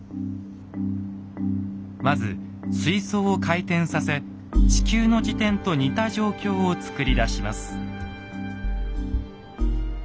まず水槽を回転させ地球の自転と似た状況を作り出します。